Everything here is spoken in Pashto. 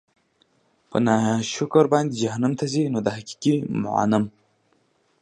په ناشکر باندي جهنّم ته ځي؛ نو د حقيقي مُنعِم